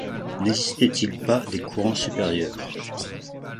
N’existait-il pas des courants supérieurs